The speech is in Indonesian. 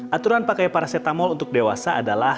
aturan pakai paracetamol untuk dewasa adalah